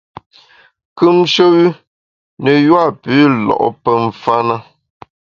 Kùmshe wü ne yua pü lo’ pe mfa’ na.